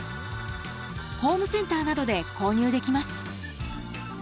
ホームセンターなどで購入できます。